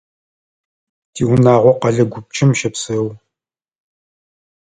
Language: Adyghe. Тиунагъо къэлэ гупчэм щэпсэу.